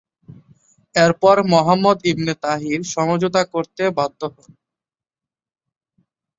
এরপর Muhammad ibn Tahir সমঝোতা করতে বাধ্য হন।